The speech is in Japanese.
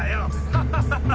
ハハハハハ！